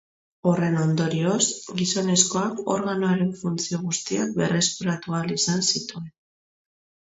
Horren ondorioz, gizonezkoak organoaren funtzio guztiak berreskuratu ahal izan zituen.